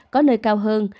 có nơi cao hơn